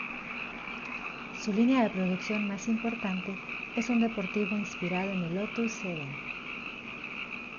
Su línea de producción más importante es un deportivo inspirado en el Lotus Seven